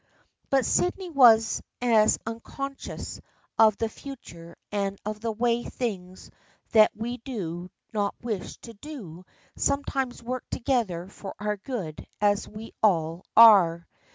But Sydney was as unconscious of the future and of the way things that we do not wish to do some times work together for our good as we all are.